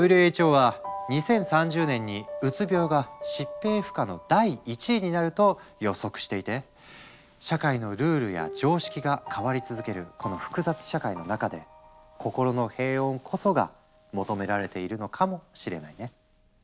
ＷＨＯは「２０３０年にうつ病が疾病負荷の第１位になる」と予測していて社会のルールや常識が変わり続けるこの複雑社会の中で「心の平穏」こそが求められているのかもしれないね。